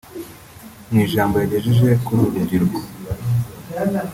Mu ijambo yagejeje kuri uru rubyiruko